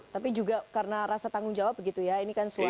tapi juga karena rasa tanggung jawab begitu ya ini kan suara